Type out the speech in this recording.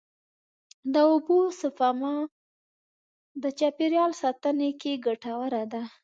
د اوبو سپما د چاپېریال ساتنې کې ګټوره ده.